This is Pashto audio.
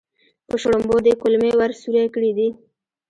په شړومبو دې کولمې ور سورۍ کړې دي.